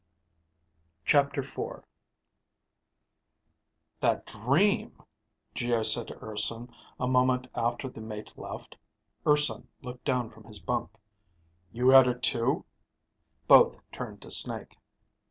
CHAPTER IV "That dream," Geo said to Urson a moment after the mate left. Urson looked down from his bunk. "You had it too?" Both turned to Snake.